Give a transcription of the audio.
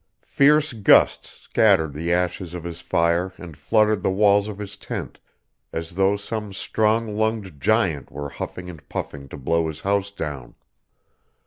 Fierce gusts scattered the ashes of his fire and fluttered the walls of his tent as though some strong lunged giant were huffing and puffing to blow his house down.